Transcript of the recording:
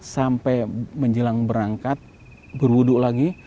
sampai menjelang berangkat berwudu lagi